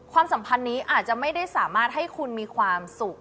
สัมพันธ์นี้อาจจะไม่ได้สามารถให้คุณมีความสุข